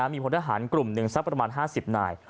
มีพลทหารกลุ่มหนึ่งสักประมาณ๕๐นาย